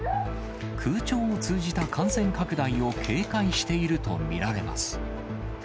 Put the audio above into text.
空調を通じた感染拡大を警戒していると見られます。